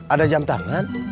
ada jam tangan